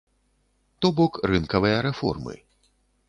То бок, рынкавыя рэформы.